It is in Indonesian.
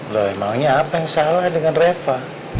loh emangnya apa yang salah dengan reva